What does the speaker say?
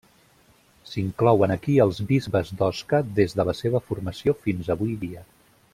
S'inclouen aquí els bisbes d'Osca des de la seva formació fins avui dia.